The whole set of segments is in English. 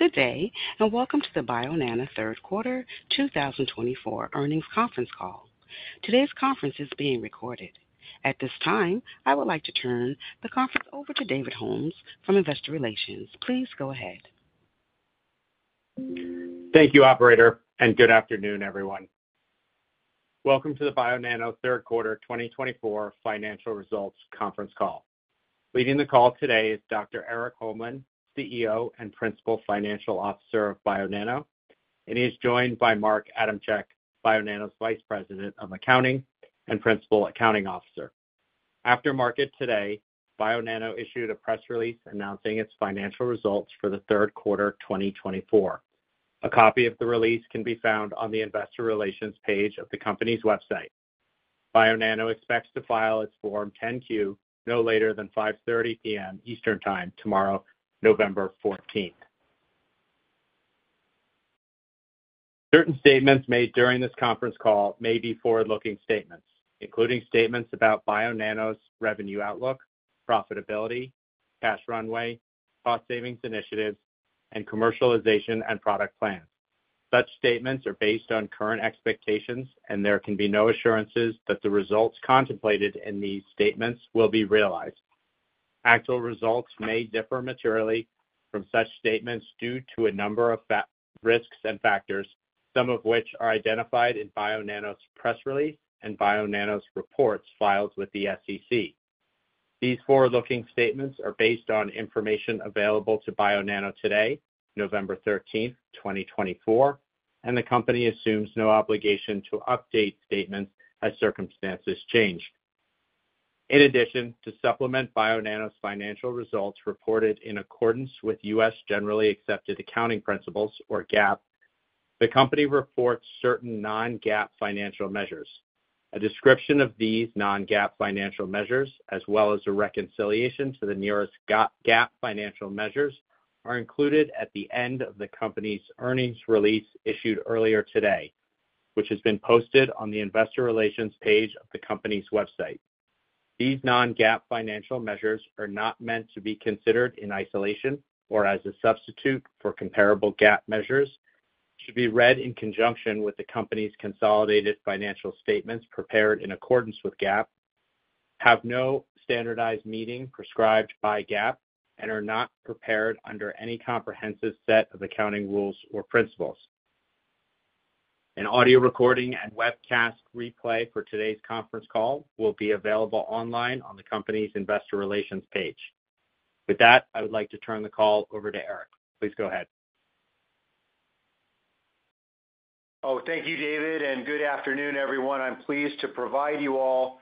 Good day, and welcome to the Bionano Third Quarter 2024 Earnings Conference Call. Today's conference is being recorded. At this time, I would like to turn the conference over to David Holmes from Investor Relations. Please go ahead. Thank you, Operator, and good afternoon, everyone. Welcome to the Bionano Third Quarter 2024 financial results conference call. Leading the call today is Dr. Erik Holmlin, CEO and Principal Financial Officer of Bionano, and he is joined by Mark Adamczyk, Bionano's Vice President of Accounting and Principal Accounting Officer. After market today, Bionano issued a press release announcing its financial results for the third quarter 2024. A copy of the release can be found on the Investor Relations page of the company's website. Bionano expects to file its Form 10-Q no later than 5:30 P.M. Eastern Time tomorrow, November 14th. Certain statements made during this conference call may be forward-looking statements, including statements about Bionano's revenue outlook, profitability, cash runway, cost savings initiatives, and commercialization and product plans. Such statements are based on current expectations, and there can be no assurances that the results contemplated in these statements will be realized. Actual results may differ materially from such statements due to a number of risks and factors, some of which are identified in Bionano's press release and Bionano's reports filed with the SEC. These forward-looking statements are based on information available to Bionano today, November 13th, 2024, and the company assumes no obligation to update statements as circumstances change. In addition, to supplement Bionano's financial results reported in accordance with U.S. Generally Accepted Accounting Principles, or GAAP, the company reports certain non-GAAP financial measures. A description of these non-GAAP financial measures, as well as a reconciliation to the nearest GAAP financial measures, are included at the end of the company's earnings release issued earlier today, which has been posted on the Investor Relations page of the company's website. These non-GAAP financial measures are not meant to be considered in isolation or as a substitute for comparable GAAP measures. They should be read in conjunction with the company's consolidated financial statements prepared in accordance with GAAP, have no standardized meaning prescribed by GAAP, and are not prepared under any comprehensive set of accounting rules or principles. An audio recording and webcast replay for today's conference call will be available online on the company's Investor Relations page. With that, I would like to turn the call over to Erik. Please go ahead. Oh, thank you, David, and good afternoon, everyone. I'm pleased to provide you all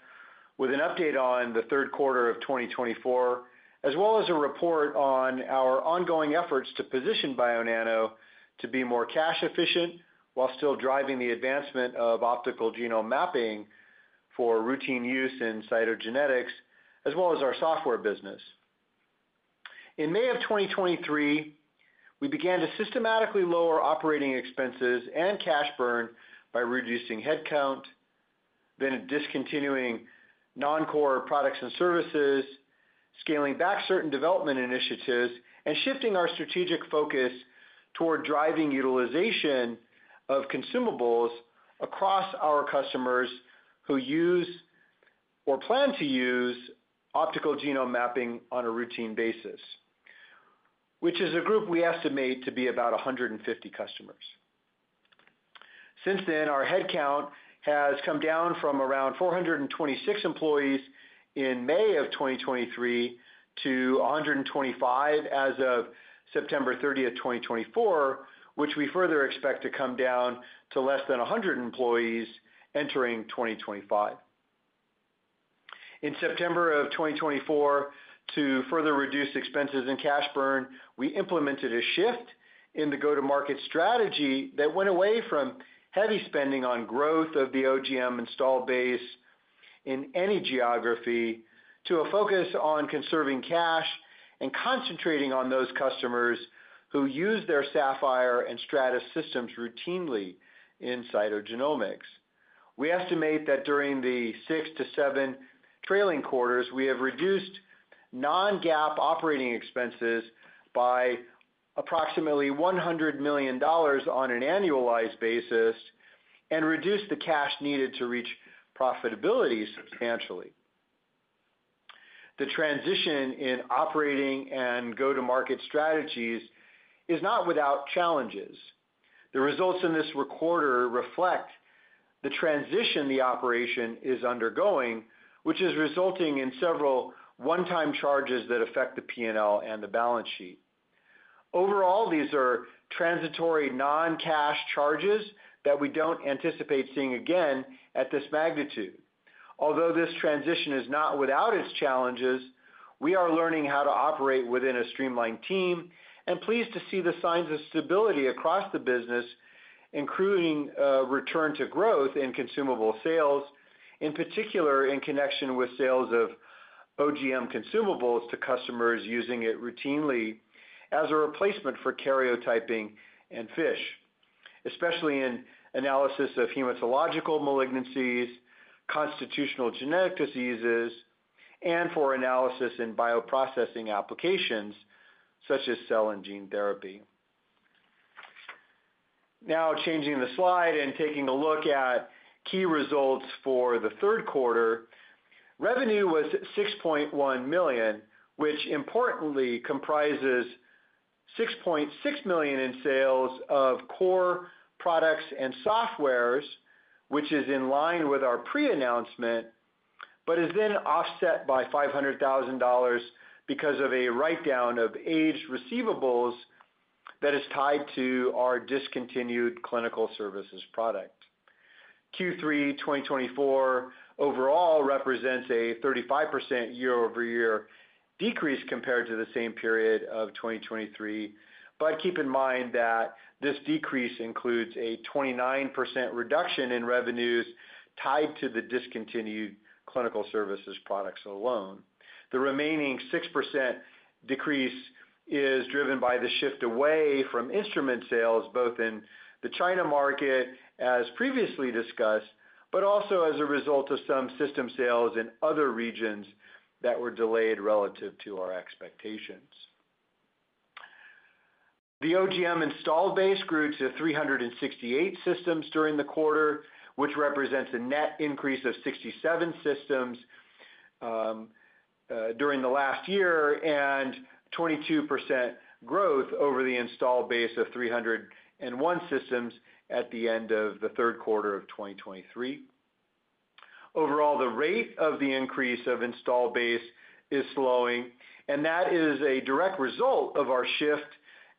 with an update on the third quarter of 2024, as well as a report on our ongoing efforts to position Bionano to be more cash efficient while still driving the advancement of optical genome mapping for routine use in cytogenetics, as well as our software business. In May of 2023, we began to systematically lower operating expenses and cash burn by reducing headcount, then discontinuing non-core products and services, scaling back certain development initiatives, and shifting our strategic focus toward driving utilization of consumables across our customers who use or plan to use optical genome mapping on a routine basis, which is a group we estimate to be about 150 customers. Since then, our headcount has come down from around 426 employees in May of 2023 to 125 as of September 30th, 2024, which we further expect to come down to less than 100 employees entering 2025. In September of 2024, to further reduce expenses and cash burn, we implemented a shift in the go-to-market strategy that went away from heavy spending on growth of the OGM install base in any geography to a focus on conserving cash and concentrating on those customers who use their Sapphire and Stratus systems routinely in cytogenomics. We estimate that during the six to seven trailing quarters, we have reduced non-GAAP operating expenses by approximately $100 million on an annualized basis and reduced the cash needed to reach profitability substantially. The transition in operating and go-to-market strategies is not without challenges. The results in this quarter reflect the transition the operation is undergoing, which is resulting in several one-time charges that affect the P&L and the balance sheet. Overall, these are transitory non-cash charges that we don't anticipate seeing again at this magnitude. Although this transition is not without its challenges, we are learning how to operate within a streamlined team and pleased to see the signs of stability across the business, including return to growth in consumable sales, in particular in connection with sales of OGM consumables to customers using it routinely as a replacement for karyotyping and FISH, especially in analysis of hematological malignancies, constitutional genetic diseases, and for analysis in bioprocessing applications such as cell and gene therapy. Now, changing the slide and taking a look at key results for the third quarter, revenue was $6.1 million, which importantly comprises $6.6 million in sales of core products and software, which is in line with our pre-announcement, but is then offset by $500,000 because of a write-down of aged receivables that is tied to our discontinued clinical services product. Q3 2024 overall represents a 35% year-over-year decrease compared to the same period of 2023, but keep in mind that this decrease includes a 29% reduction in revenues tied to the discontinued clinical services products alone. The remaining 6% decrease is driven by the shift away from instrument sales, both in the China market, as previously discussed, but also as a result of some system sales in other regions that were delayed relative to our expectations. The OGM install base grew to 368 systems during the quarter, which represents a net increase of 67 systems during the last year and 22% growth over the install base of 301 systems at the end of the third quarter of 2023. Overall, the rate of the increase of install base is slowing, and that is a direct result of our shift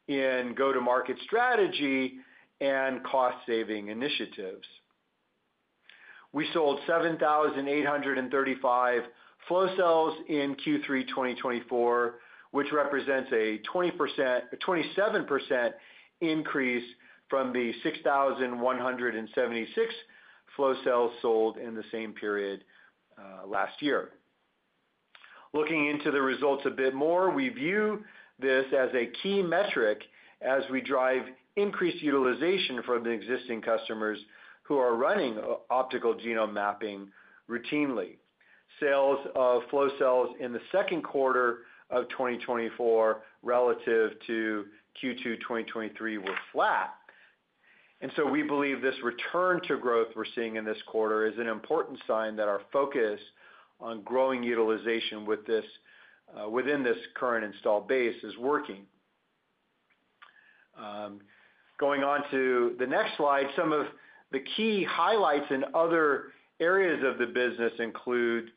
in go-to-market strategy and cost-saving initiatives. We sold 7,835 flow cells in Q3 2024, which represents a 20% or 27% increase from the 6,176 flow cells sold in the same period last year. Looking into the results a bit more, we view this as a key metric as we drive increased utilization from the existing customers who are running optical genome mapping routinely. Sales of flow cells in the second quarter of 2024 relative to Q2 2023 were flat, and so we believe this return to growth we're seeing in this quarter is an important sign that our focus on growing utilization within this current install base is working. Going on to the next slide, some of the key highlights in other areas of the business include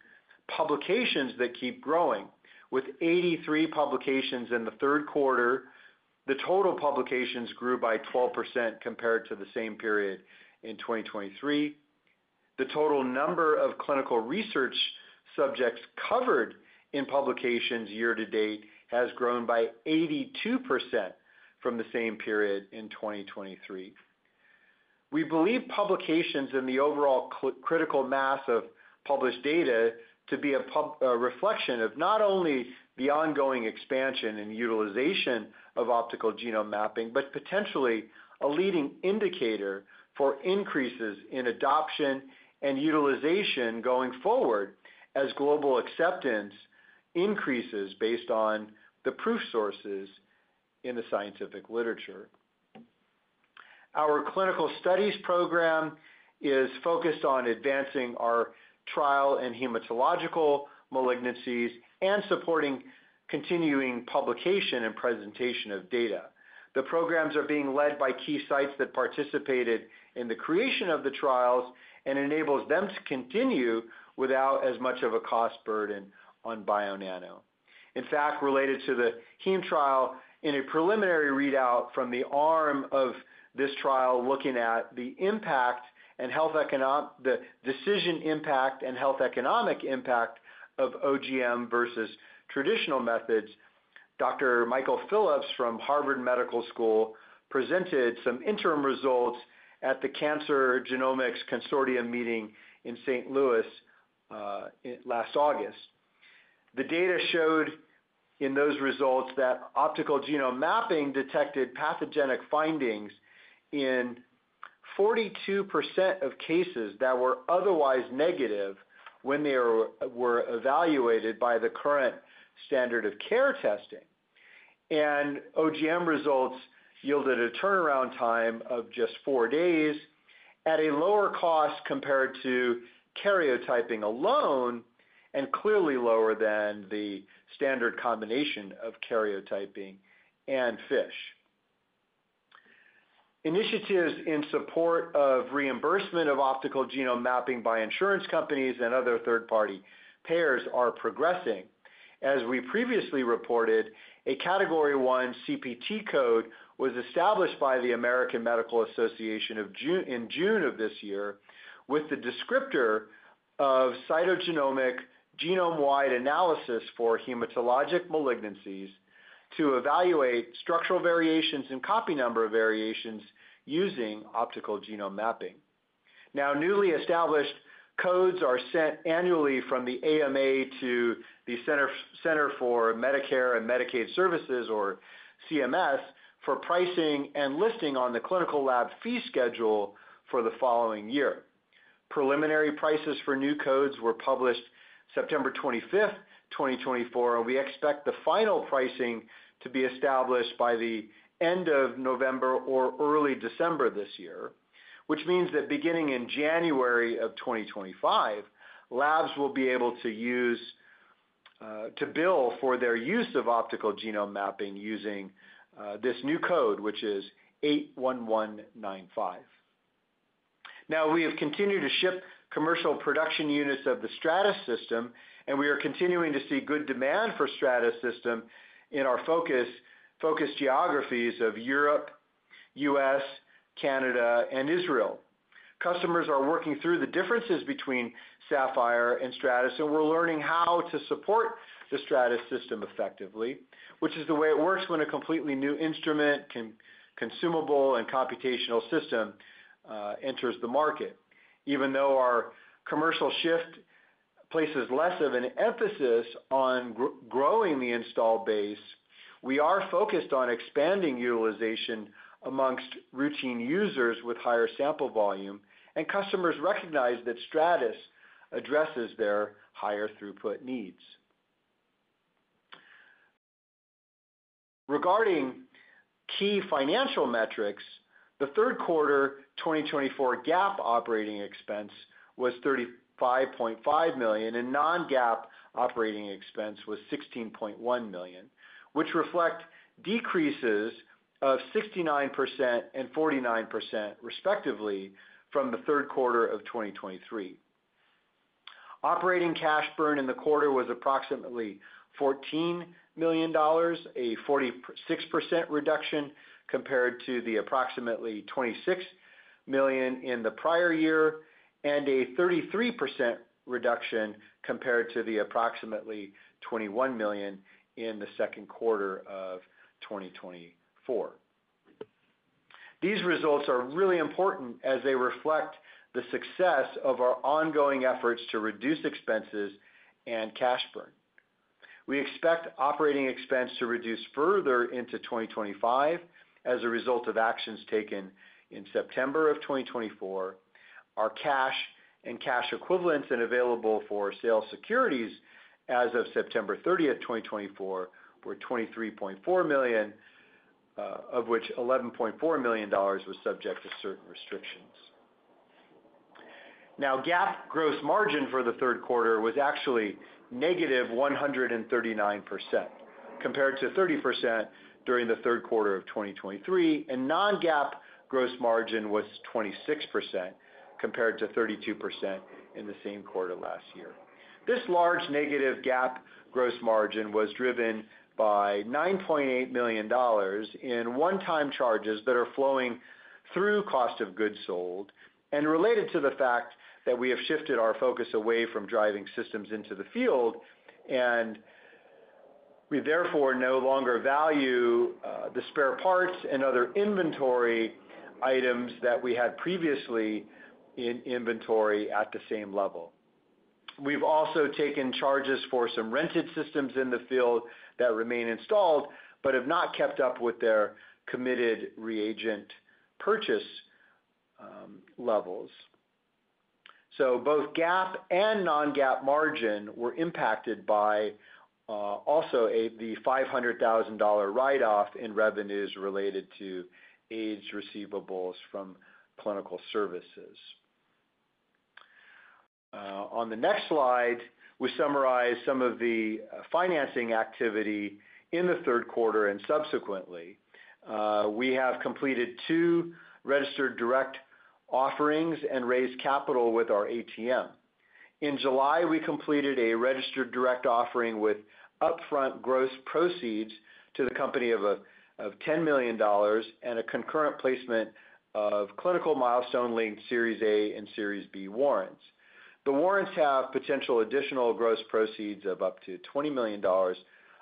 publications that keep growing. With 83 publications in the third quarter, the total publications grew by 12% compared to the same period in 2023. The total number of clinical research subjects covered in publications year-to-date has grown by 82% from the same period in 2023. We believe publications in the overall critical mass of published data to be a reflection of not only the ongoing expansion and utilization of optical genome mapping, but potentially a leading indicator for increases in adoption and utilization going forward as global acceptance increases based on the proof sources in the scientific literature. Our clinical studies program is focused on advancing our trial and hematological malignancies and supporting continuing publication and presentation of data. The programs are being led by key sites that participated in the creation of the trials and enables them to continue without as much of a cost burden on Bionano. In fact, related to the Heme trial, in a preliminary readout from the arm of this trial looking at the impact and health decision impact and health economic impact of OGM versus traditional methods, Dr. Michael Phillips from Harvard Medical School presented some interim results at the Cancer Genomics Consortium meeting in St. Louis last August. The data showed in those results that optical genome mapping detected pathogenic findings in 42% of cases that were otherwise negative when they were evaluated by the current standard of care testing, and OGM results yielded a turnaround time of just four days at a lower cost compared to karyotyping alone and clearly lower than the standard combination of karyotyping and FISH. Initiatives in support of reimbursement of optical genome mapping by insurance companies and other third-party payers are progressing. As we previously reported, a Category I CPT code was established by the American Medical Association in June of this year with the descriptor of cytogenomic genome-wide analysis for hematologic malignancies to evaluate structural variations and copy number variations using optical genome mapping. Now, newly established codes are sent annually from the AMA to the Centers for Medicare & Medicaid Services, or CMS, for pricing and listing on the clinical lab fee schedule for the following year. Preliminary prices for new codes were published September 25th, 2024, and we expect the final pricing to be established by the end of November or early December this year, which means that beginning in January of 2025, labs will be able to bill for their use of optical genome mapping using this new code, which is 81195. Now, we have continued to ship commercial production units of the Stratus system, and we are continuing to see good demand for Stratus system in our focused geographies of Europe, the U.S., Canada, and Israel. Customers are working through the differences between Sapphire and Stratus, and we're learning how to support the Stratus system effectively, which is the way it works when a completely new instrument, consumable, and computational system enters the market. Even though our commercial shift places less of an emphasis on growing the installed base, we are focused on expanding utilization among routine users with higher sample volume, and customers recognize that Stratus addresses their higher throughput needs. Regarding key financial metrics, the third quarter 2024 GAAP operating expense was $35.5 million, and non-GAAP operating expense was $16.1 million, which reflect decreases of 69% and 49% respectively from the third quarter of 2023. Operating cash burn in the quarter was approximately $14 million, a 46% reduction compared to the approximately $26 million in the prior year, and a 33% reduction compared to the approximately $21 million in the second quarter of 2024. These results are really important as they reflect the success of our ongoing efforts to reduce expenses and cash burn. We expect operating expense to reduce further into 2025 as a result of actions taken in September of 2024. Our cash and cash equivalents and available for sale securities as of September 30th, 2024, were $23.4 million, of which $11.4 million was subject to certain restrictions. Now, GAAP gross margin for the third quarter was actually -139% compared to 30% during the third quarter of 2023, and non-GAAP gross margin was 26% compared to 32% in the same quarter last year. This large negative GAAP gross margin was driven by $9.8 million in one-time charges that are flowing through cost of goods sold and related to the fact that we have shifted our focus away from driving systems into the field, and we therefore no longer value the spare parts and other inventory items that we had previously in inventory at the same level. We've also taken charges for some rented systems in the field that remain installed but have not kept up with their committed reagent purchase levels. So both GAAP and non-GAAP margin were impacted by also the $500,000 write-off in revenues related to aged receivables from clinical services. On the next slide, we summarize some of the financing activity in the third quarter and subsequently. We have completed two registered direct offerings and raised capital with our ATM. In July, we completed a registered direct offering with upfront gross proceeds to the company of $10 million and a concurrent placement of clinical milestone linked Series A and Series B warrants. The warrants have potential additional gross proceeds of up to $20 million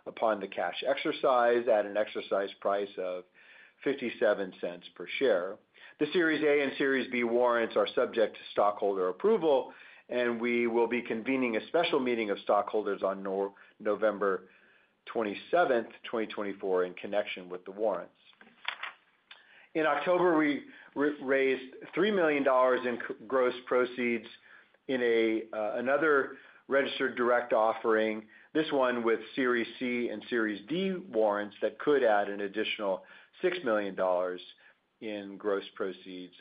upon the cash exercise at an exercise price of 57 cents per share. The Series A and Series B warrants are subject to stockholder approval, and we will be convening a special meeting of stockholders on November 27th, 2024, in connection with the warrants. In October, we raised $3 million in gross proceeds in another registered direct offering, this one with Series C and Series D warrants that could add an additional $6 million in gross proceeds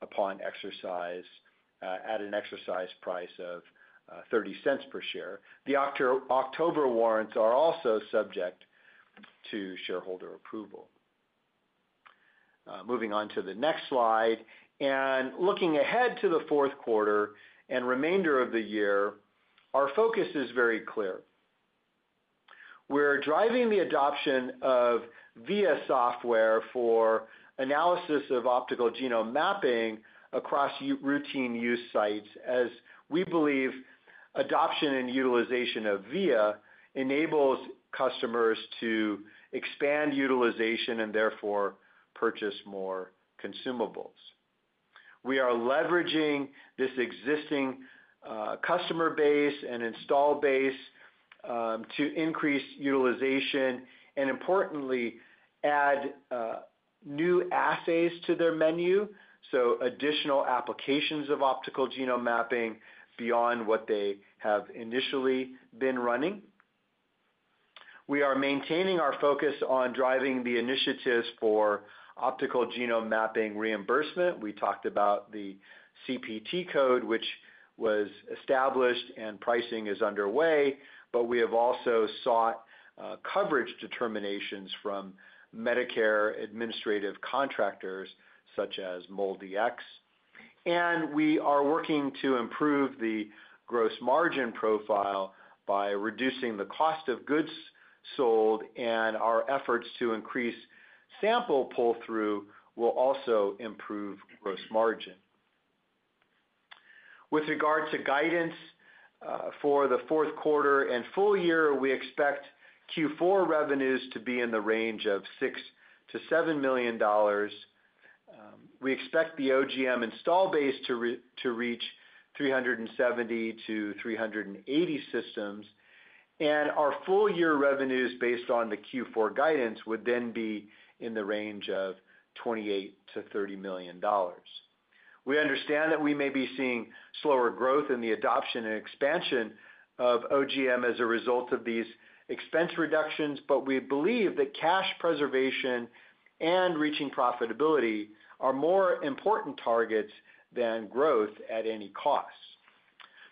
upon exercise at an exercise price of $0.30 per share. The October warrants are also subject to shareholder approval. Moving on to the next slide and looking ahead to the fourth quarter and remainder of the year, our focus is very clear. We're driving the adoption of VIA software for analysis of optical genome mapping across routine use sites as we believe adoption and utilization of VIA enables customers to expand utilization and therefore purchase more consumables. We are leveraging this existing customer base and install base to increase utilization and, importantly, add new assays to their menu, so additional applications of optical genome mapping beyond what they have initially been running. We are maintaining our focus on driving the initiatives for optical genome mapping reimbursement. We talked about the CPT code, which was established, and pricing is underway, but we have also sought coverage determinations from Medicare administrative contractors such as MolDX. We are working to improve the gross margin profile by reducing the cost of goods sold, and our efforts to increase sample pull-through will also improve gross margin. With regard to guidance for the fourth quarter and full year, we expect Q4 revenues to be in the range of $6 million-$7 million. We expect the OGM install base to reach 370-380 systems, and our full year revenues based on the Q4 guidance would then be in the range of $28 million-$30 million. We understand that we may be seeing slower growth in the adoption and expansion of OGM as a result of these expense reductions, but we believe that cash preservation and reaching profitability are more important targets than growth at any cost.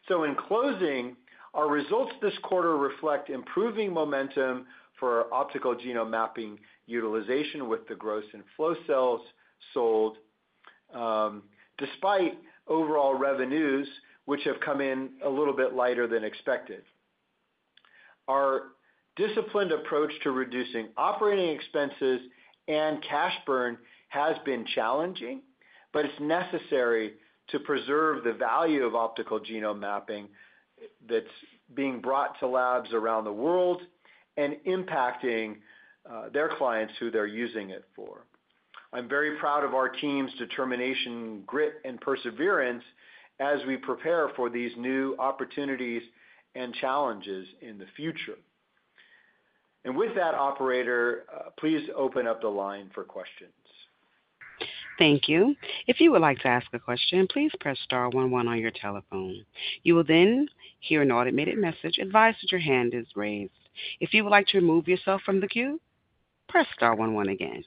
So in closing, our results this quarter reflect improving momentum for optical genome mapping utilization with the growth in flow cells sold despite overall revenues, which have come in a little bit lighter than expected. Our disciplined approach to reducing operating expenses and cash burn has been challenging, but it's necessary to preserve the value of optical genome mapping that's being brought to labs around the world and impacting their clients who they're using it for. I'm very proud of our team's determination, grit, and perseverance as we prepare for these new opportunities and challenges in the future, and with that, Operator, please open up the line for questions. Thank you. If you would like to ask a question, please press star 11 on your telephone. You will then hear an automated message advised that your hand is raised. If you would like to remove yourself from the queue, press star 11 again.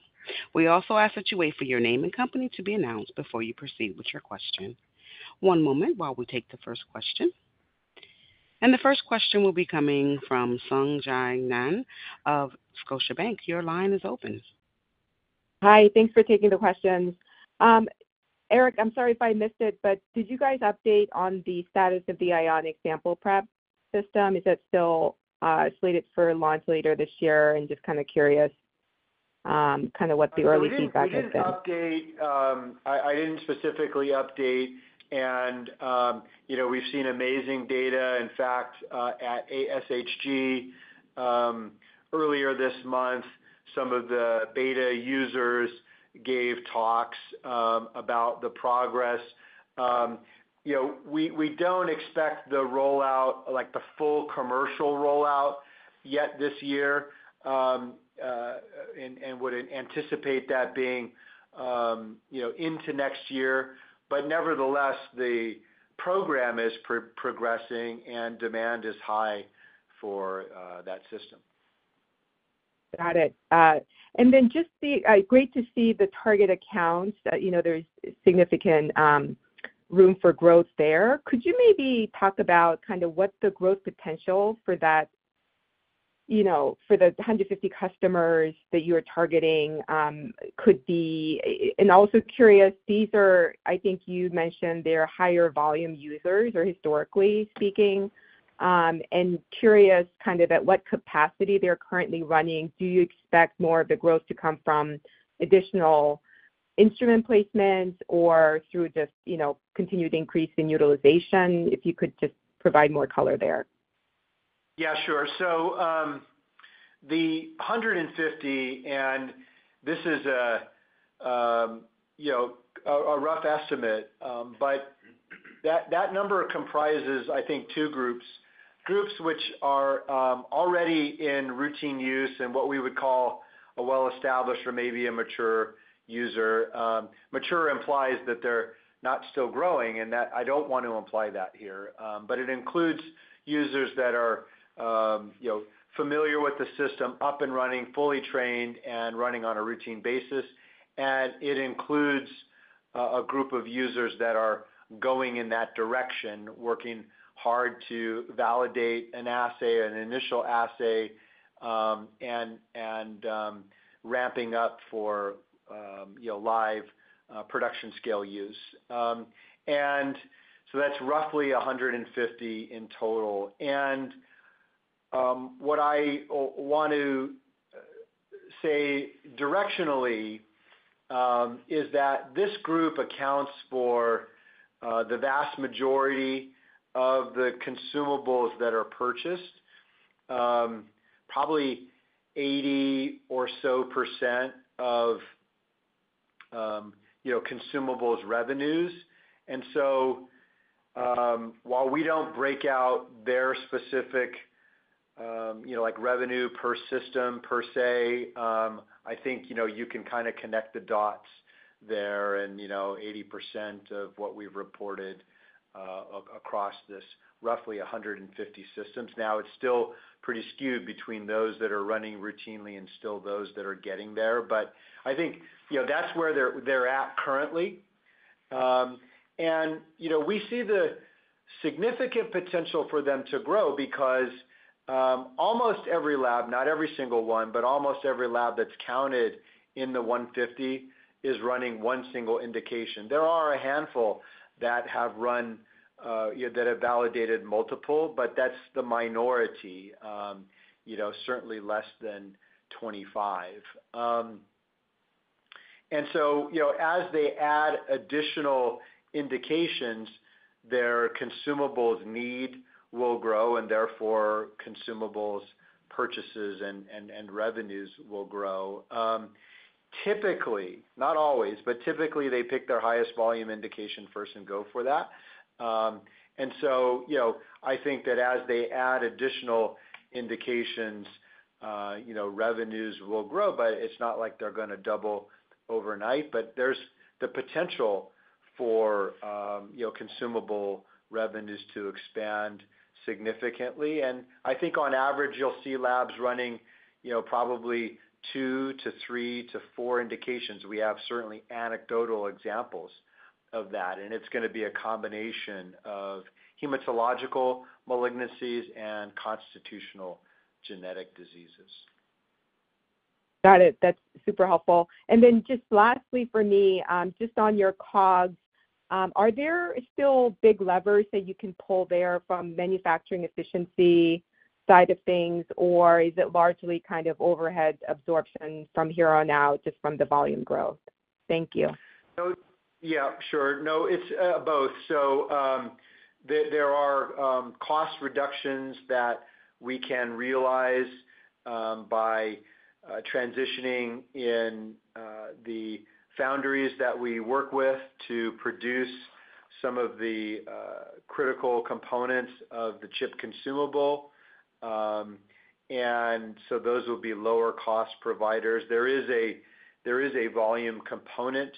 We also ask that you wait for your name and company to be announced before you proceed with your question. One moment while we take the first question, and the first question will be coming from Sung Ji Nam of Scotiabank. Your line is open. Hi. Thanks for taking the questions. Erik, I'm sorry if I missed it, but did you guys update on the status of the Ionic sample prep system? Is it still slated for launch later this year? I'm just kind of curious kind of what the early feedback has been. I didn't update. I didn't specifically update, and we've seen amazing data. In fact, at ASHG earlier this month, some of the beta users gave talks about the progress. We don't expect the rollout, like the full commercial rollout, yet this year and would anticipate that being into next year, but nevertheless, the program is progressing and demand is high for that system. Got it. And then just great to see the target accounts. There's significant room for growth there. Could you maybe talk about kind of what the growth potential for the 150 customers that you are targeting could be? And also curious, these are, I think you mentioned they're higher volume users or historically speaking. And curious kind of at what capacity they're currently running. Do you expect more of the growth to come from additional instrument placements or through just continued increase in utilization? If you could just provide more color there. Yeah, sure. So the 150, and this is a rough estimate, but that number comprises, I think, two groups, groups which are already in routine use and what we would call a well-established or maybe a mature user. Mature implies that they're not still growing, and that I don't want to imply that here. But it includes users that are familiar with the system, up and running, fully trained, and running on a routine basis. And it includes a group of users that are going in that direction, working hard to validate an assay, an initial assay, and ramping up for live production scale use. And so that's roughly 150 in total. And what I want to say directionally is that this group accounts for the vast majority of the consumables that are purchased, probably 80% or so of consumables revenues. And so while we don't break out their specific revenue per system, per se, I think you can kind of connect the dots there. And 80% of what we've reported across this roughly 150 systems. Now, it's still pretty skewed between those that are running routinely and still those that are getting there. But I think that's where they're at currently. And we see the significant potential for them to grow because almost every lab, not every single one, but almost every lab that's counted in the 150 is running one single indication. There are a handful that have run that have validated multiple, but that's the minority, certainly less than 25. And so as they add additional indications, their consumables need will grow, and therefore consumables purchases and revenues will grow. Typically, not always, but typically they pick their highest volume indication first and go for that. And so I think that as they add additional indications, revenues will grow, but it's not like they're going to double overnight. But there's the potential for consumable revenues to expand significantly. And I think on average, you'll see labs running probably two to three to four indications. We have certainly anecdotal examples of that, and it's going to be a combination of hematological malignancies and constitutional genetic diseases. Got it. That's super helpful. And then just lastly for me, just on your costs, are there still big levers that you can pull there from manufacturing efficiency side of things, or is it largely kind of overhead absorption from here on out just from the volume growth? Thank you. Yeah, sure. No, it's both. So there are cost reductions that we can realize by transitioning in the foundries that we work with to produce some of the critical components of the chip consumable. And so those will be lower-cost providers. There is a volume component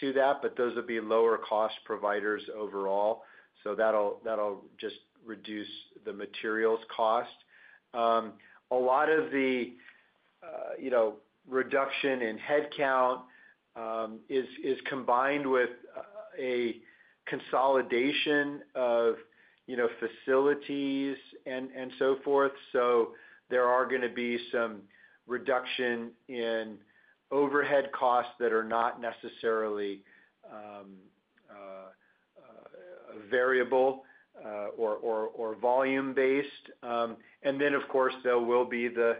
to that, but those will be lower-cost providers overall. So that'll just reduce the materials cost. A lot of the reduction in headcount is combined with a consolidation of facilities and so forth. So there are going to be some reduction in overhead costs that are not necessarily variable or volume-based. And then, of course, there will be the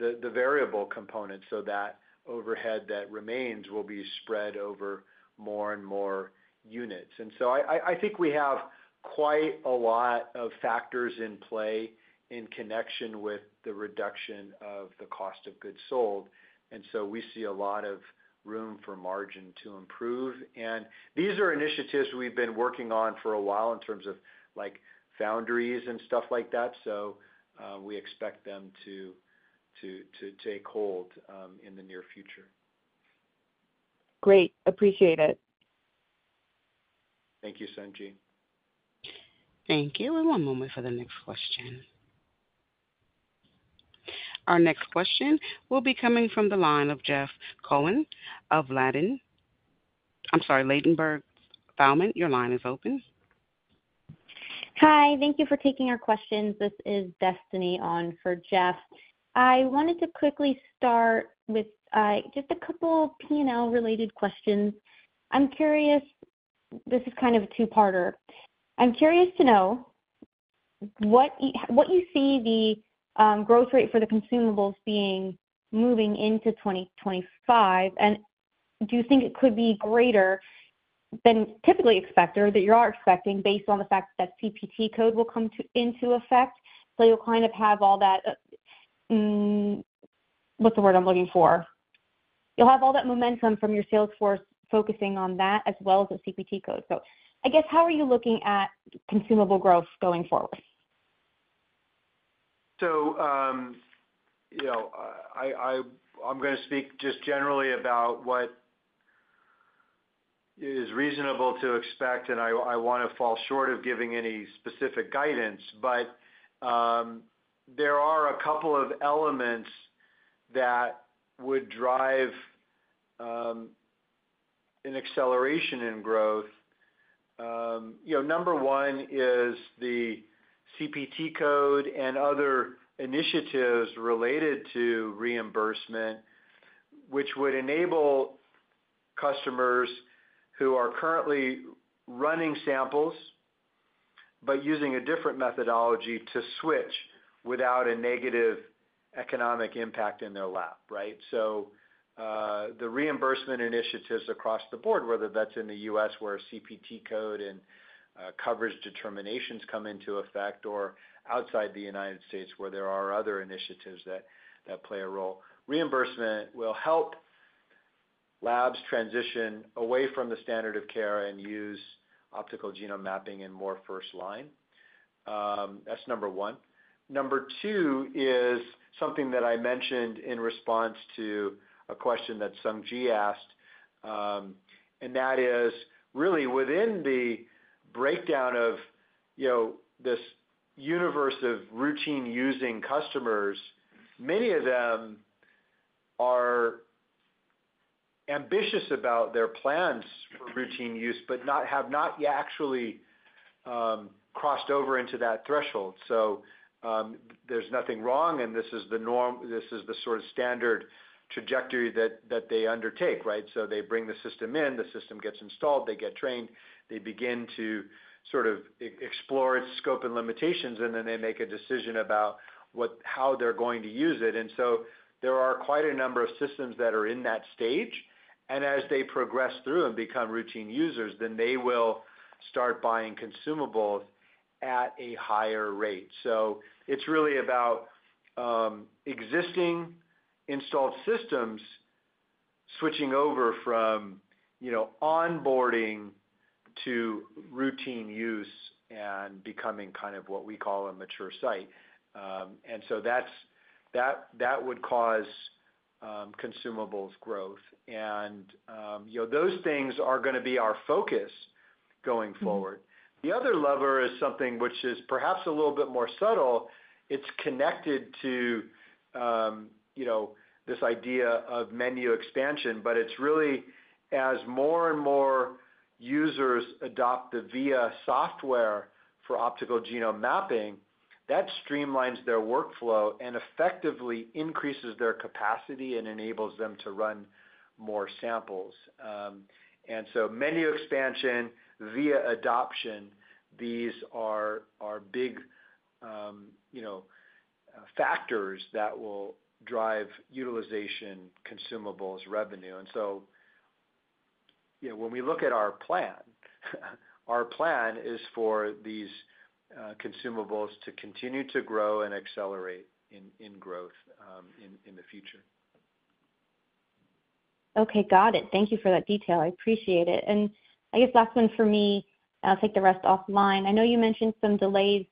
variable component so that overhead that remains will be spread over more and more units. And so I think we have quite a lot of factors in play in connection with the reduction of the cost of goods sold. And so we see a lot of room for margin to improve. And these are initiatives we've been working on for a while in terms of foundries and stuff like that. So we expect them to take hold in the near future. Great. Appreciate it. Thank you, Sung Ji. Thank you. One moment for the next question. Our next question will be coming from the line of Jeff Cohen of Ladenburg Thalmann. I'm sorry, Ladenburg Thalmann, your line is open. Hi. Thank you for taking our questions. This is Destiny on for Jeff. I wanted to quickly start with just a couple of P&L-related questions. I'm curious. This is kind of a two-parter. I'm curious to know what you see the growth rate for the consumables being moving into 2025, and do you think it could be greater than typically expected or that you are expecting based on the fact that that CPT code will come into effect? So you'll kind of have all that, what's the word I'm looking for? You'll have all that momentum from your sales force focusing on that as well as the CPT code. So I guess, how are you looking at consumable growth going forward? I'm going to speak just generally about what is reasonable to expect, and I want to fall short of giving any specific guidance, but there are a couple of elements that would drive an acceleration in growth. Number one is the CPT code and other initiatives related to reimbursement, which would enable customers who are currently running samples but using a different methodology to switch without a negative economic impact in their lab, right? So the reimbursement initiatives across the board, whether that's in the U.S. where CPT code and coverage determinations come into effect or outside the United States where there are other initiatives that play a role. Reimbursement will help labs transition away from the standard of care and use optical genome mapping and more first-line. That's number one. Number two is something that I mentioned in response to a question that Sung Ji asked, and that is really within the breakdown of this universe of routine using customers, many of them are ambitious about their plans for routine use but have not actually crossed over into that threshold. So there's nothing wrong, and this is the sort of standard trajectory that they undertake, right? So they bring the system in, the system gets installed, they get trained, they begin to sort of explore its scope and limitations, and then they make a decision about how they're going to use it. And so there are quite a number of systems that are in that stage. And as they progress through and become routine users, then they will start buying consumables at a higher rate. So it's really about existing installed systems switching over from onboarding to routine use and becoming kind of what we call a mature site. And so that would cause consumables growth. And those things are going to be our focus going forward. The other lever is something which is perhaps a little bit more subtle. It's connected to this idea of menu expansion, but it's really as more and more users adopt the VIA software for optical genome mapping, that streamlines their workflow and effectively increases their capacity and enables them to run more samples. And so menu expansion, VIA adoption, these are big factors that will drive utilization, consumables, revenue. And so when we look at our plan, our plan is for these consumables to continue to grow and accelerate in growth in the future. Okay. Got it. Thank you for that detail. I appreciate it. And I guess last one for me, and I'll take the rest offline. I know you mentioned some delays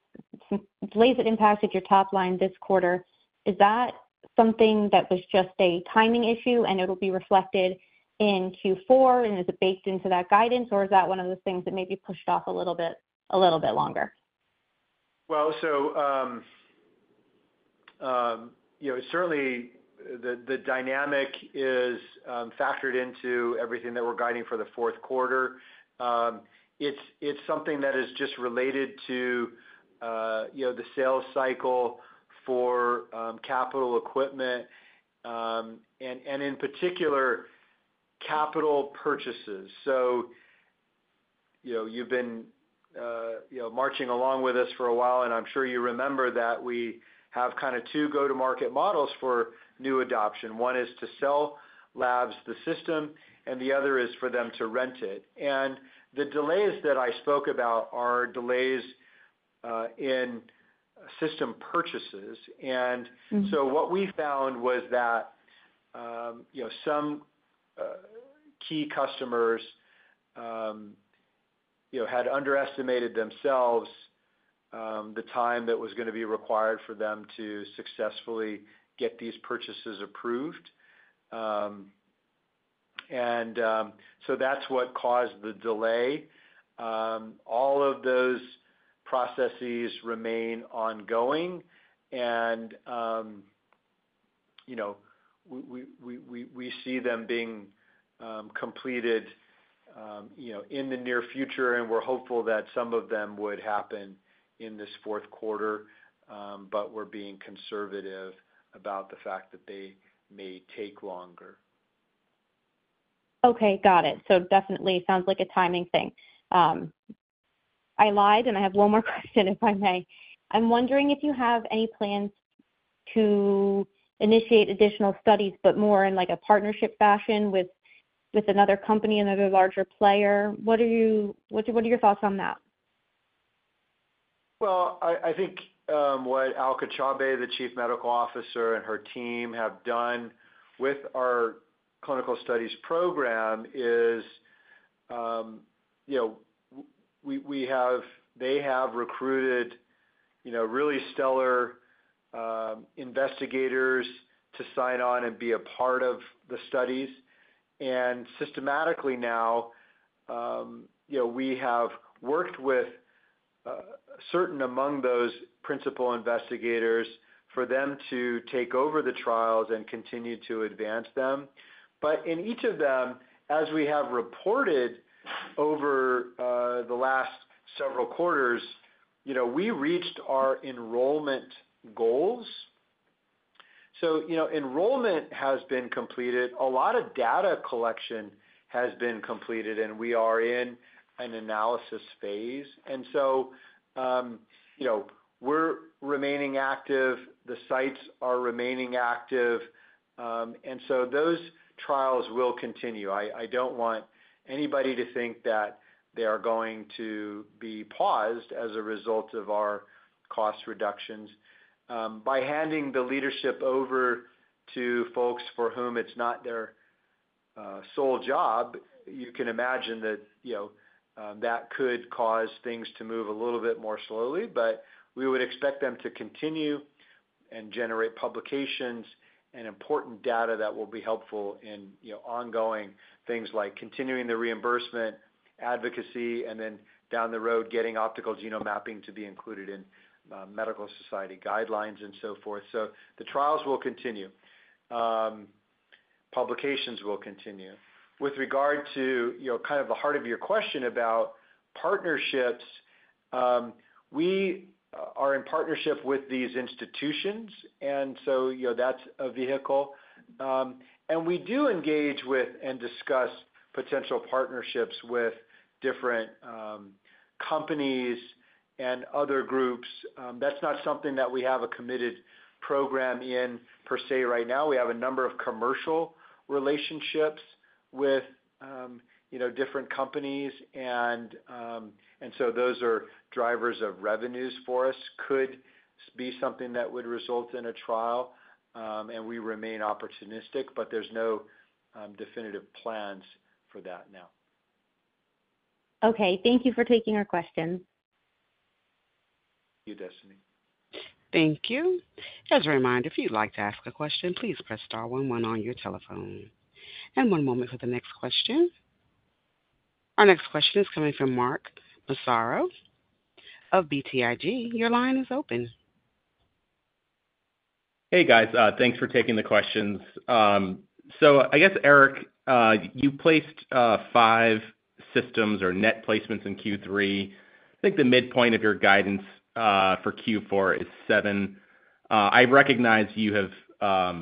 that impacted your top line this quarter. Is that something that was just a timing issue and it'll be reflected in Q4 and is it baked into that guidance, or is that one of those things that maybe pushed off a little bit longer? Certainly the dynamic is factored into everything that we're guiding for the fourth quarter. It's something that is just related to the sales cycle for capital equipment and in particular capital purchases. You've been marching along with us for a while, and I'm sure you remember that we have kind of two go-to-market models for new adoption. One is to sell labs the system, and the other is for them to rent it. The delays that I spoke about are delays in system purchases. What we found was that some key customers had underestimated themselves the time that was going to be required for them to successfully get these purchases approved. That's what caused the delay. All of those processes remain ongoing, and we see them being completed in the near future, and we're hopeful that some of them would happen in this fourth quarter, but we're being conservative about the fact that they may take longer. Okay. Got it. So definitely sounds like a timing thing. I lied, and I have one more question, if I may. I'm wondering if you have any plans to initiate additional studies, but more in a partnership fashion with another company, another larger player. What are your thoughts on that? I think what Alka Chaubey, the Chief Medical Officer, and her team have done with our clinical studies program is they have recruited really stellar investigators to sign on and be a part of the studies. Systematically now, we have worked with certain among those principal investigators for them to take over the trials and continue to advance them. But in each of them, as we have reported over the last several quarters, we reached our enrollment goals. Enrollment has been completed. A lot of data collection has been completed, and we are in an analysis phase. We're remaining active. The sites are remaining active. Those trials will continue. I don't want anybody to think that they are going to be paused as a result of our cost reductions. By handing the leadership over to folks for whom it's not their sole job, you can imagine that that could cause things to move a little bit more slowly, but we would expect them to continue and generate publications and important data that will be helpful in ongoing things like continuing the reimbursement advocacy, and then down the road, getting optical genome mapping to be included in medical society guidelines and so forth. So the trials will continue. Publications will continue. With regard to kind of the heart of your question about partnerships, we are in partnership with these institutions, and so that's a vehicle. And we do engage with and discuss potential partnerships with different companies and other groups. That's not something that we have a committed program in per se right now. We have a number of commercial relationships with different companies, and so those are drivers of revenues for us. Could be something that would result in a trial, and we remain opportunistic, but there's no definitive plans for that now. Okay. Thank you for taking our questions. Thank you, Destiny. Thank you. As a reminder, if you'd like to ask a question, please press star 11 on your telephone. And one moment for the next question. Our next question is coming from Mark Massaro of BTIG. Your line is open. Hey, guys. Thanks for taking the questions. So I guess, Erik, you placed five systems or net placements in Q3. I think the midpoint of your guidance for Q4 is seven. I recognize you have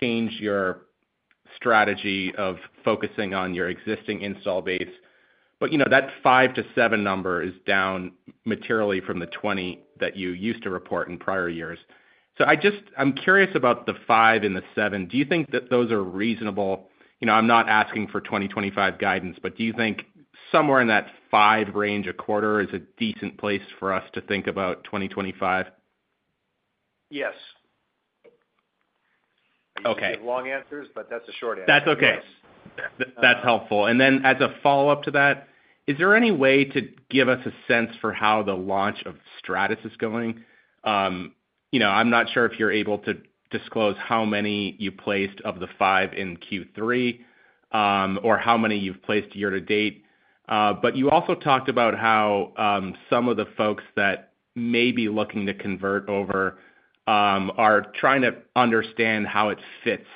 changed your strategy of focusing on your existing install base, but that five to seven number is down materially from the 20 that you used to report in prior years. So I'm curious about the five and the seven. Do you think that those are reasonable? I'm not asking for 2025 guidance, but do you think somewhere in that five range a quarter is a decent place for us to think about 2025? Yes. Okay. Long answers, but that's a short answer. That's okay. That's helpful. And then as a follow-up to that, is there any way to give us a sense for how the launch of Stratus is going? I'm not sure if you're able to disclose how many you placed of the five in Q3 or how many you've placed year to date, but you also talked about how some of the folks that may be looking to convert over are trying to understand how it fits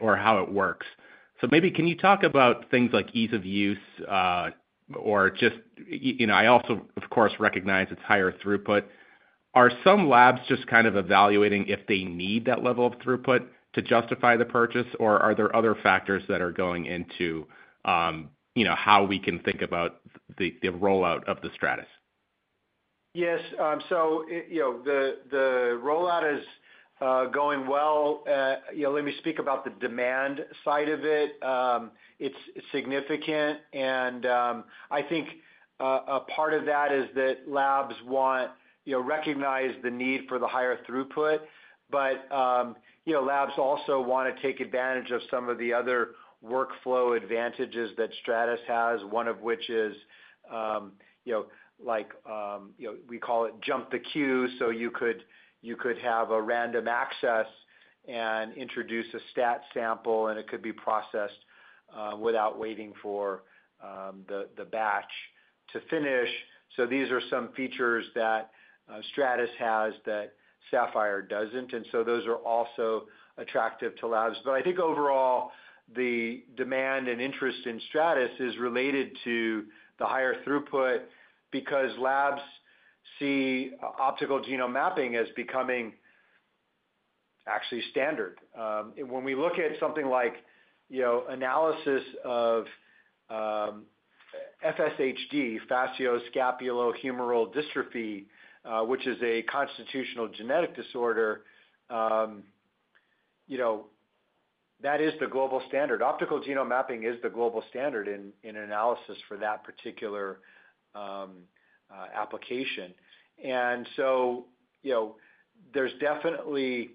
or how it works. So maybe can you talk about things like ease of use or just I also, of course, recognize it's higher throughput. Are some labs just kind of evaluating if they need that level of throughput to justify the purchase, or are there other factors that are going into how we can think about the rollout of the Stratus? Yes. So the rollout is going well. Let me speak about the demand side of it. It's significant, and I think a part of that is that labs recognize the need for the higher throughput, but labs also want to take advantage of some of the other workflow advantages that Stratus has, one of which is like we call it jump the queue. So you could have a random access and introduce a stat sample, and it could be processed without waiting for the batch to finish. So these are some features that Stratus has that Sapphire doesn't, and so those are also attractive to labs. But I think overall, the demand and interest in Stratus is related to the higher throughput because labs see optical genome mapping as becoming actually standard. When we look at something like analysis of FSHD, fascioscapulohumeral dystrophy, which is a constitutional genetic disorder, that is the global standard. Optical genome mapping is the global standard in analysis for that particular application. And so there's definitely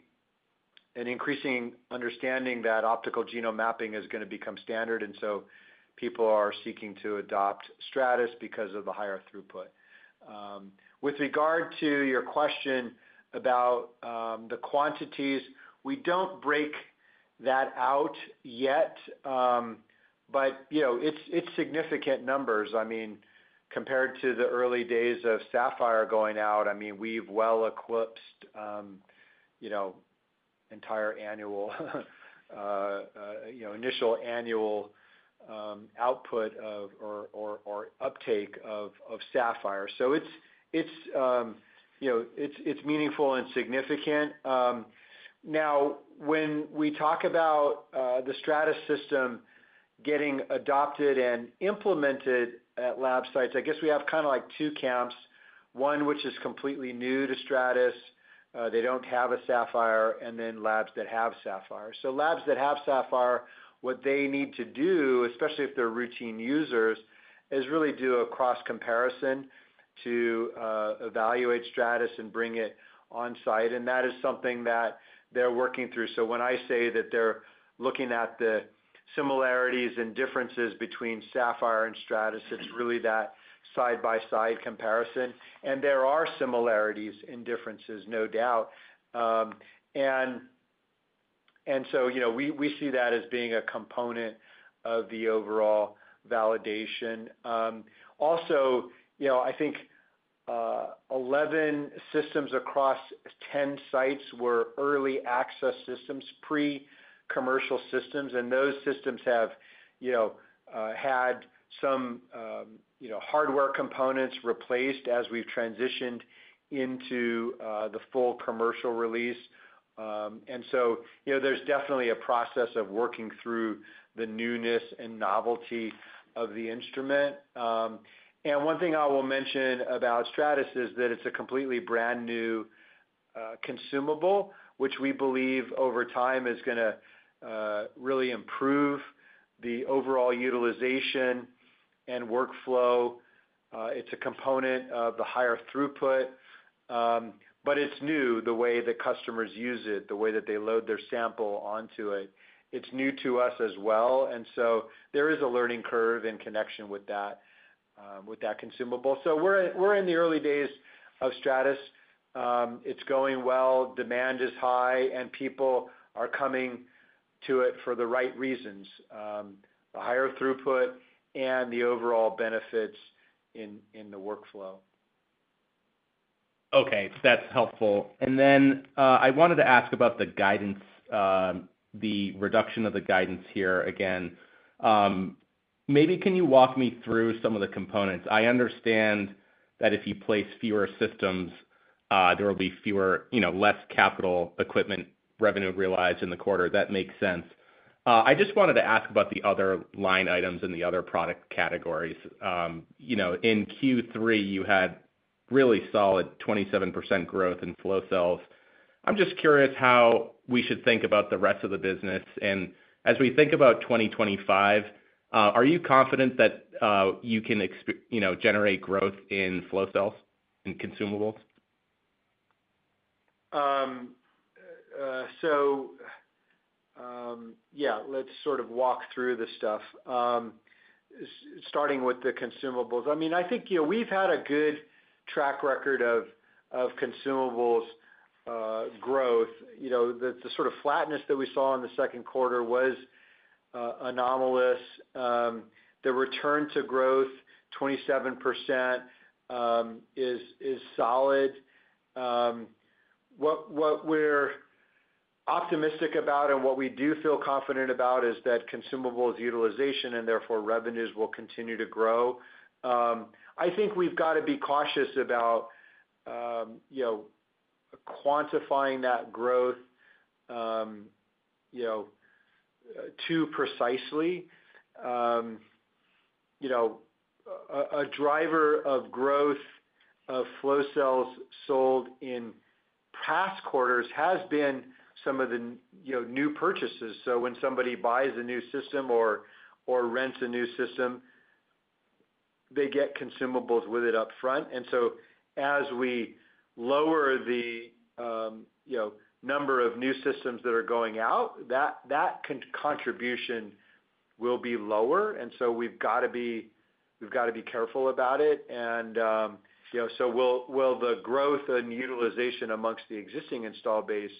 an increasing understanding that optical genome mapping is going to become standard, and so people are seeking to adopt Stratus because of the higher throughput. With regard to your question about the quantities, we don't break that out yet, but it's significant numbers. I mean, compared to the early days of Sapphire going out, I mean, we've well exceeded the entire initial annual output or uptake of Sapphire. So it's meaningful and significant. Now, when we talk about the Stratus system getting adopted and implemented at lab sites, I guess we have kind of like two camps: one which is completely new to Stratus. They don't have a Sapphire, and then labs that have Sapphire. So labs that have Sapphire, what they need to do, especially if they're routine users, is really do a cross-comparison to evaluate Stratus and bring it onsite. And that is something that they're working through. So when I say that they're looking at the similarities and differences between Sapphire and Stratus, it's really that side-by-side comparison. And there are similarities and differences, no doubt. And so we see that as being a component of the overall validation. Also, I think 11 systems across 10 sites were early access systems, pre-commercial systems, and those systems have had some hardware components replaced as we've transitioned into the full commercial release. And so there's definitely a process of working through the newness and novelty of the instrument. And one thing I will mention about Stratus is that it's a completely brand new consumable, which we believe over time is going to really improve the overall utilization and workflow. It's a component of the higher throughput, but it's new the way that customers use it, the way that they load their sample onto it. It's new to us as well. And so there is a learning curve in connection with that consumable. So we're in the early days of Stratus. It's going well. Demand is high, and people are coming to it for the right reasons: the higher throughput and the overall benefits in the workflow. Okay. That's helpful. And then I wanted to ask about the guidance, the reduction of the guidance here again. Maybe can you walk me through some of the components? I understand that if you place fewer systems, there will be less capital equipment revenue realized in the quarter. That makes sense. I just wanted to ask about the other line items in the other product categories. In Q3, you had really solid 27% growth in flow cells. I'm just curious how we should think about the rest of the business. And as we think about 2025, are you confident that you can generate growth in flow cells and consumables? So yeah, let's sort of walk through the stuff, starting with the consumables. I mean, I think we've had a good track record of consumables growth. The sort of flatness that we saw in the second quarter was anomalous. The return to growth, 27%, is solid. What we're optimistic about and what we do feel confident about is that consumables utilization and therefore revenues will continue to grow. I think we've got to be cautious about quantifying that growth too precisely. A driver of growth of flow cells sold in past quarters has been some of the new purchases. So when somebody buys a new system or rents a new system, they get consumables with it upfront. And so as we lower the number of new systems that are going out, that contribution will be lower. And so we've got to be careful about it. And so will the growth and utilization among the existing installed base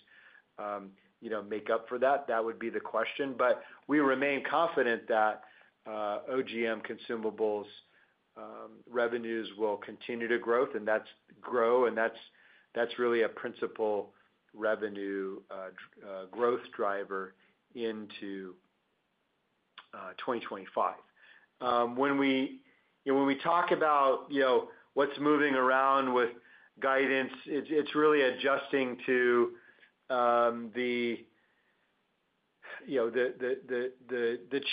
make up for that? That would be the question. But we remain confident that OGM consumables revenues will continue to grow, and that's really a principal revenue growth driver into 2025. When we talk about what's moving around with guidance, it's really adjusting to the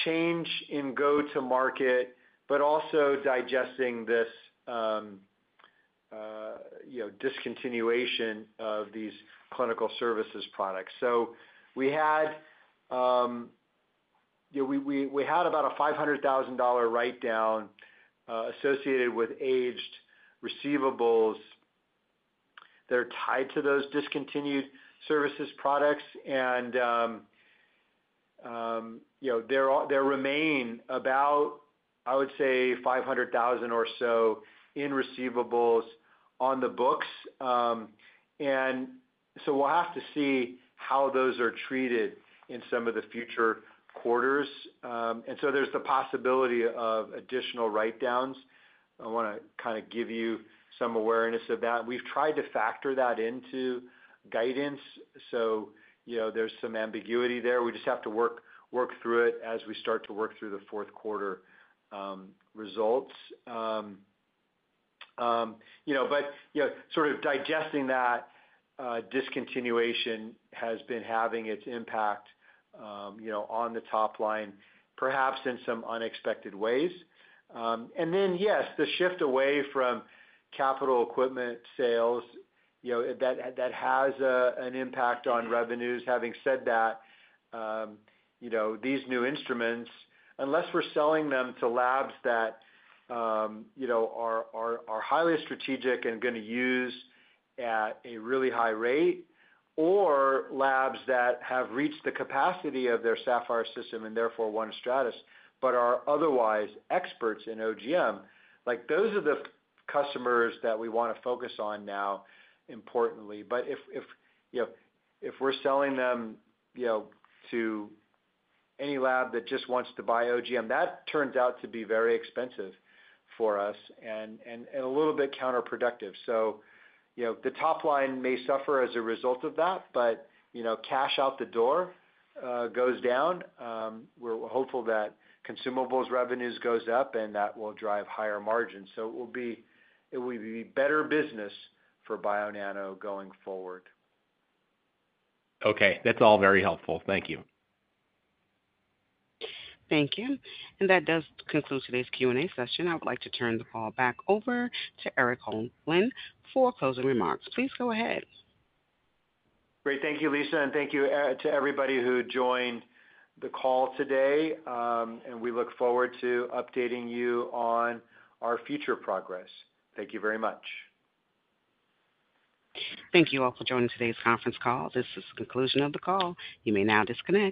change in go-to-market, but also digesting this discontinuation of these clinical services products. So we had about a $500,000 write-down associated with aged receivables that are tied to those discontinued services products, and there remain about, I would say, $500,000 or so in receivables on the books. And so we'll have to see how those are treated in some of the future quarters. And so there's the possibility of additional write-downs. I want to kind of give you some awareness of that. We've tried to factor that into guidance, so there's some ambiguity there. We just have to work through it as we start to work through the fourth quarter results. But sort of digesting that discontinuation has been having its impact on the top line, perhaps in some unexpected ways. And then, yes, the shift away from capital equipment sales, that has an impact on revenues. Having said that, these new instruments, unless we're selling them to labs that are highly strategic and going to use at a really high rate, or labs that have reached the capacity of their Sapphire system and therefore want a Stratus, but are otherwise experts in OGM, those are the customers that we want to focus on now, importantly. But if we're selling them to any lab that just wants to buy OGM, that turns out to be very expensive for us and a little bit counterproductive. So the top line may suffer as a result of that, but cash out the door goes down. We're hopeful that consumables revenues go up, and that will drive higher margins. So it will be better business for Bionano going forward. Okay. That's all very helpful. Thank you. Thank you. And that does conclude today's Q&A session. I would like to turn the call back over to Erik Holmlin for closing remarks. Please go ahead. Great. Thank you, Lisa. And thank you to everybody who joined the call today, and we look forward to updating you on our future progress. Thank you very much. Thank you all for joining today's conference call. This is the conclusion of the call. You may now disconnect.